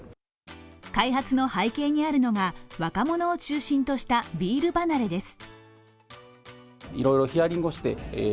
開発の背景にあるのが若者を中心としたビール離れです。